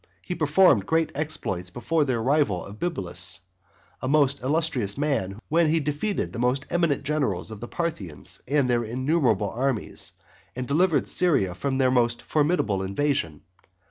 He performed great exploits before the arrival of Bibulus, a most illustrious man, when he defeated the most eminent generals of the Parthians and their innumerable armies, and delivered Syria from their most formidable invasion.